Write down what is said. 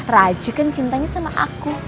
raju kan cintanya sama aku